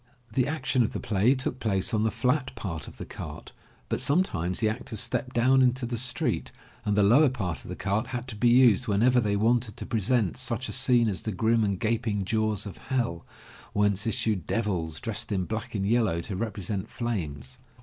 The action of the play took place on the flat part of the cart, but some times the actors stepped down into the street, and the lower part of the cart had to be used whenever they wanted to present such a scene as the grim and gaping jaws of Hell, whence issued devils, dressed in black and yellow to represent flames.